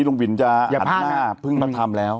ลุงวินจะตัดหน้าเพิ่งมาทำแล้ว